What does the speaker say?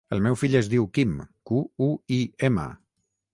El meu fill es diu Quim: cu, u, i, ema.